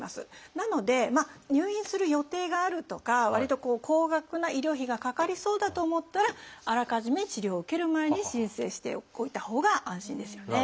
なので入院する予定があるとかわりと高額な医療費がかかりそうだと思ったらあらかじめ治療を受ける前に申請しておいたほうが安心ですよね。